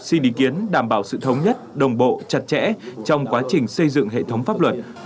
xin ý kiến đảm bảo sự thống nhất đồng bộ chặt chẽ trong quá trình xây dựng hệ thống pháp luật